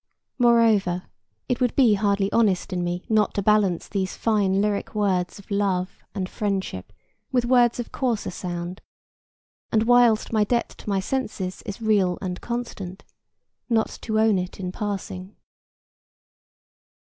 Moreover it would be hardly honest in me not to balance these fine lyric words of Love and Friendship with words of coarser sound, and whilst my debt to my senses is real and constant, not to own it in passing.